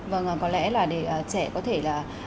vâng có lẽ là để trẻ có thể là